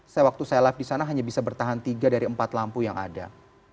saya waktu saya live di sana hanya bisa bertahan tiga dari empat lampu yang ada